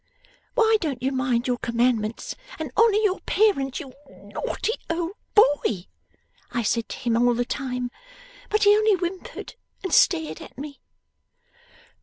"Why don't you mind your Commandments and honour your parent, you naughty old boy?" I said to him all the time. But he only whimpered and stared at me.